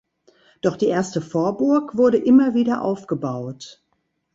Doch die erste Vorburg wurde immer wieder aufgebaut.